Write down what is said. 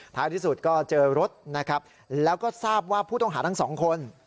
ท้ายที่สุดก็เจอรถนะครับแล้วก็ทราบว่าผู้ต้องหาทั้งสองคน